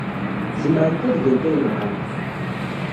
Zemrent ad gent ayen bɣant.